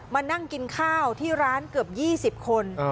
มานั่งกินข้าวที่ร้านเกือบ๒๐คน